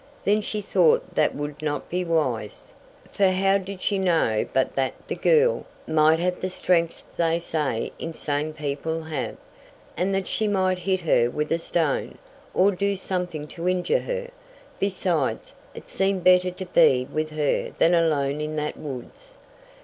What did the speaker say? Then she thought that would not be wise, for how did she know but that the girl might have the strength they say insane people have; and that she might hit her with a stone, or do something to injure her? Besides, it seemed better to be with her than alone in that woods.